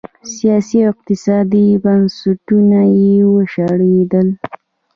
سیاسي او اقتصادي بنسټونه یې وشړېدل.